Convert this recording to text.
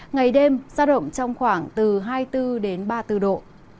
ngày đêm giao động trong khoảng từ hai mươi bốn đến ba mươi bốn độ